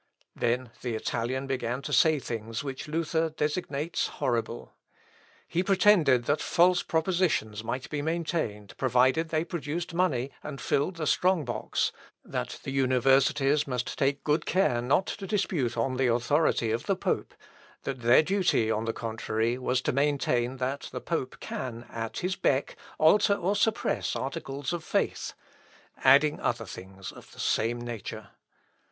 Then the Italian began to say things which Luther designates horrible. He pretended that false propositions might be maintained, provided they produced money and filled the strong box that the universities must take good care not to dispute on the authority of the pope that their duty, on the contrary, was to maintain that the pope can, at his beck, alter or suppress articles of faith; adding other things of the same nature.